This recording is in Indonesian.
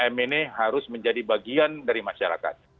tiga m ini harus menjadi bagian dari masyarakat